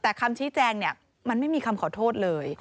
แต่คำชี้แจงเนี่ยมันไม่มีคำขอโทษเลย